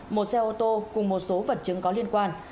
một xe ô tô cùng một số vật chứng có liên quan